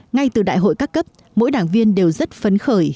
ngay từ đại hội các cấp mỗi đảng viên đều rất phấn khởi